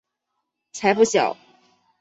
才不小！